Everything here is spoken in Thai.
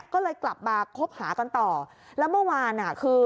ก็เลยกลับมาคบหากันต่อแล้วเมื่อวานอ่ะคือ